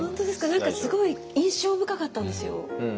何かすごい印象深かったんですよ。